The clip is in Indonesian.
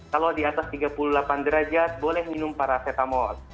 kalau di atas tiga puluh delapan derajat boleh minum paracetamol